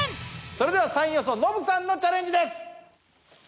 それでは３位予想ノブさんのチャレンジです。